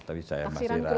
tapi saya masih rahasia